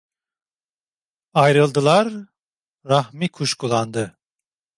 Ayrıldılar, Rahmi kuşkulandı…